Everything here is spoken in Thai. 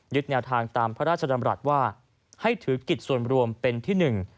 แนวทางตามพระราชดำรัฐว่าให้ถือกิจส่วนรวมเป็นที่หนึ่ง